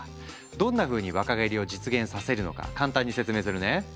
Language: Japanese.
どんなふうに若返りを実現させるのか簡単に説明するね。